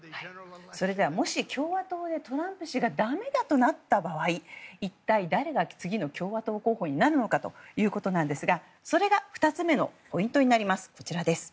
それではもし、共和党がトランプ氏がだめだとなった場合一体、誰が次の共和党候補になるのかということですがそれが２つ目のポイントになります。